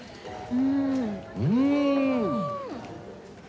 うん。